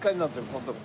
ここのとこ。